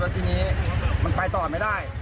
ทีนี้มันไปต่อไม่ได้